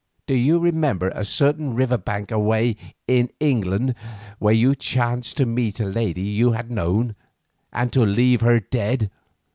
Do you remember a certain river bank away in England, where you chanced to meet a lady you had known, and to leave her dead?